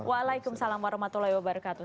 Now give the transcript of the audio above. waalaikumsalam warahmatullahi wabarakatuh